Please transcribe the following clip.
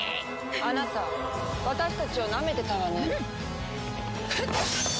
あなた私たちをなめてたわね。